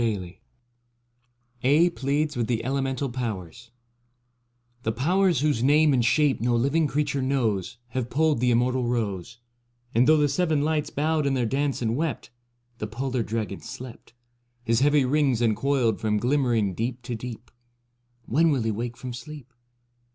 56 AEDH PLEADS WITH THE ELEMENTAL POWERS The Powers whose name and shape no living creature knows Have pulled the Immortal Rose; And though the Seven Lights bowed in their dance and wept, The Polar Dragon slept, His heavy rings uncoiled from glimmering deep to deep: When will he wake from sleep?